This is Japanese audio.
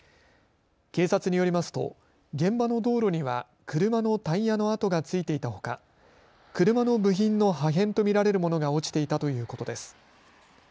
警察によりますと現場の道路には車のタイヤの跡がついていたほか車の部品の破片と見られるものが落ちていたということです。